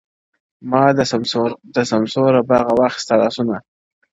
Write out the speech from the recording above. ما د سمسوره باغه واخیسته لاسونه-